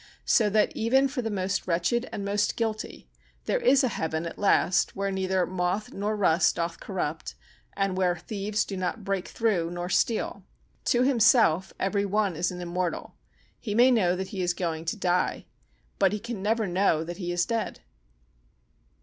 So that, even for the most wretched and most guilty, there is a heaven at last where neither moth nor rust doth corrupt and where thieves do not break through nor steal. To himself every one is an immortal: he may know that he is going to die, but he can never know that he is dead.